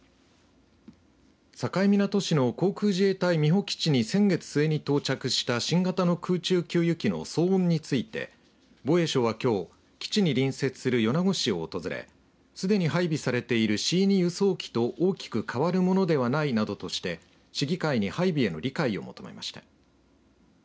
境港市の航空自衛隊美保基地に先月末に到着した新型の空中給油機の騒音について防衛省は、きょう基地に隣接する米子市を訪れすでに配備されているＣ２輸送機と大きく変わるものではないなどとして市議会に、配備への理解を求めました。